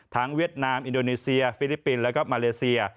เวียดนามอินโดนีเซียฟิลิปปินส์แล้วก็มาเลเซีย